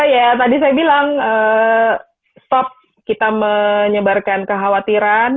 ya tadi saya bilang stop kita menyebarkan kekhawatiran